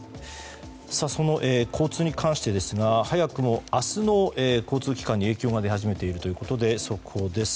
その交通に関してですが早くも明日の交通機関に影響が出始めているということで速報です。